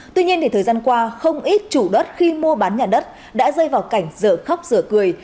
tuy nhiên thời gian qua không ít chủ đất khi mua bán nhà đất đã rơi vào cảnh dở khóc rửa cười